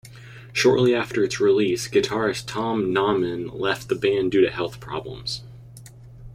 Shortly after its release guitarist Tom Naumann left the band due to health problems.